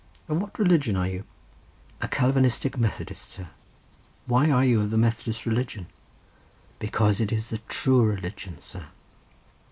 "Of what religion are you?" "A Calvinistic Methodist, sir." "Why are you of the Methodist religion?" "Because it is the true religion, sir."